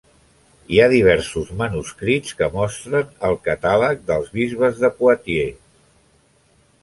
Hi ha diversos manuscrits que mostren el catàleg dels bisbes de Poitiers.